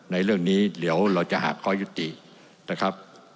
ในเรื่องนี้เดี๋ยวเราจะหาข้อยุตินะครับ